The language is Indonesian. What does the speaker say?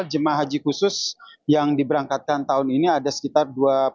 total jemaah haji khusus yang diberangkatkan tahun ini ada sekitar dua puluh tujuh enam ratus delapan puluh